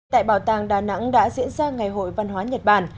tại bảo tàng đà nẵng đã diễn ra ngày hội văn hóa nhật bản